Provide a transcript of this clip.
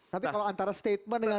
tapi kalau antara statement dengan